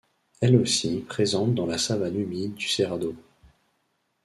Elle aussi présente dans la savane humide du Cerrado.